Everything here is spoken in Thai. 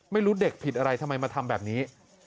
เด็กผิดอะไรทำไมมาทำแบบนี้